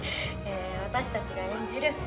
私たちが演じる